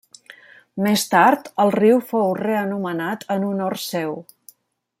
Més tard el riu fou reanomenat en honor seu.